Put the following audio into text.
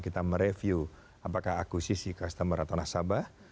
kita mereview apakah akuisisi customer atau nasabah